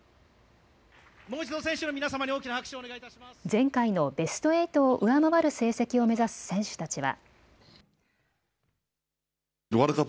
前回のベスト８を上回る成績を目指す選手たちは。